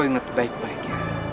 lo inget baik baiknya